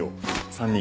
３人。